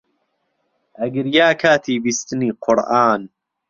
ئەگریا کاتی بیستنی قورئان